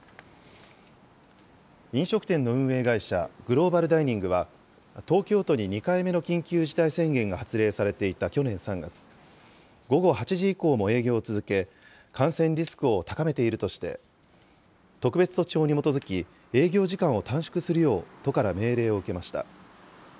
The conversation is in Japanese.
飲食店の運営会社、グローバルダイニングは、東京都に２回目の緊急事態宣言が発令されていた去年３月、午後８時以降も営業を続け、感染リスクを高めているとして、特別措置法に基づき、営業時間を短縮するよう都から命令を受けました。